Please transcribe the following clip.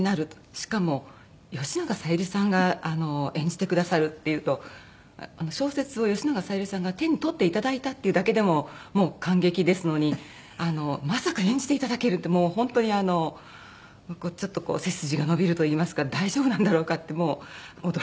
しかも吉永小百合さんが演じてくださるっていうと小説を吉永小百合さんが手に取っていただいたっていうだけでももう感激ですのにまさか演じていただけるってもう本当にあのちょっとこう背筋が伸びるといいますか大丈夫なんだろうかってもう驚きました。